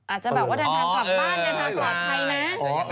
อาจจะแบบว่าเดินทางปลอดภัยนะ